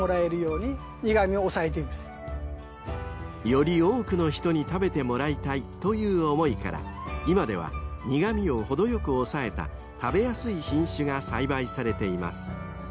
［より多くの人に食べてもらいたいという思いから今では苦味を程よく抑えた食べやすい品種が栽培されています］